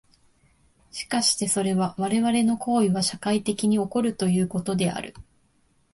しかしてそれは我々の行為は社会的に起こるということである。